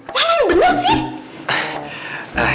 mana yang benar sih